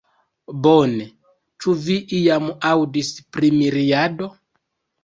Bone, ĉu vi iam aŭdis pri miriado?